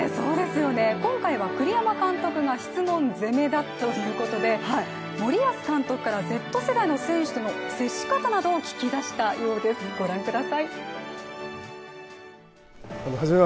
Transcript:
今回は栗山監督の質問攻めだということで森保監督からＺ世代の選手の接し方などを聞き出したようです、ご覧ください。